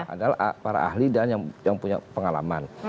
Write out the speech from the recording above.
adalah para ahli dan yang punya pengalaman